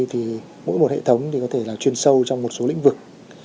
thì mỗi một hệ thống thì có thể là chuyên sâu trong một số lĩnh vực